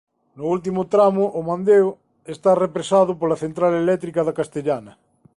No último tramo o Mandeo esta represado pola Central Eléctrica da Castellana.